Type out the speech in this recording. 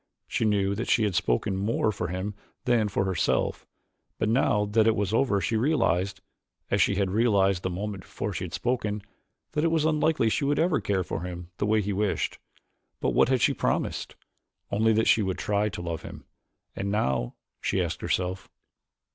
She knew that she had spoken more for him than for herself but now that it was over she realized, as she had realized the moment before she had spoken, that it was unlikely she would ever care for him the way he wished. But what had she promised? Only that she would try to love him. "And now?" she asked herself.